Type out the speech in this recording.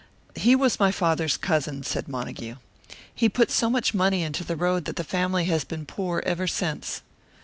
"He was my father's cousin," said Montague. "He put so much money into the road that the family has been poor ever since."